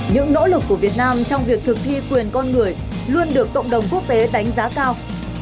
những nỗ lực của việt nam trong việc thực thi quyền con người luôn được cộng đồng quốc tế đánh giá cao